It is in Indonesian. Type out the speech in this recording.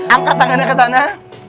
angkat tangannya kesana